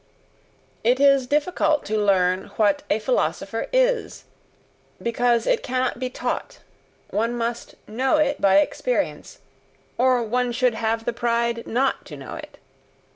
It is difficult to learn what a philosopher is, because it cannot be taught: one must "know" it by experience or one should have the pride NOT to know it.